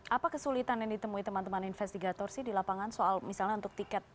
apa kesulitan yang ditemui teman teman investigator sih di lapangan soal misalnya untuk tiket